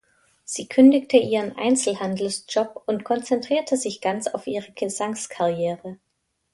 Sie kündigte ihren Einzelhandelsjob und konzentrierte sich ganz auf ihre Gesangskarriere.